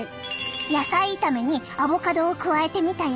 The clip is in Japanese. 野菜炒めにアボカドを加えてみたよ！